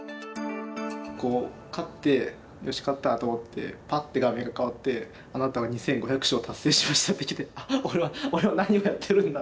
勝って「よし勝った！」と思ってパッて画面が替わって「あなたは２，５００勝達成しました」ってきて「俺は何をやってるんだ！」。